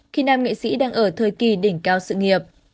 khi nam nghệ sĩ đang ở thời kỳ đỉnh cao sự nghiệp